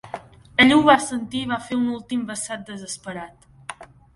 Ell ho va sentir i va fer un últim vessat desesperat.